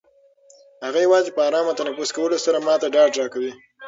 هغه یوازې په ارامه تنفس کولو سره ما ته ډاډ راکوي.